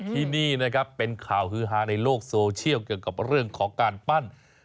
ที่นี่นะครับเป็นข่าวฮือฮาในโลกโซเชียลเกี่ยวกับเรื่องของการปั้น